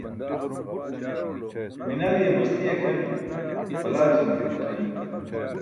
Minaliye masti akʰenum palaćine ṣune xa nim juwan.